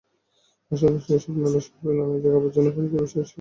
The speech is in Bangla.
পাশাপাশি এসব নালায় শহরের নানা জায়গার আবর্জনাও পানিতে ভেসে এসে জমা হচ্ছে।